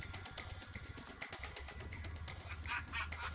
kamu yang parkir lalalu